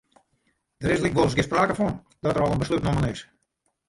Der is lykwols gjin sprake fan dat der al in beslút nommen is.